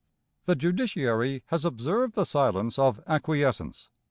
The judiciary has observed the silence of acquiescence.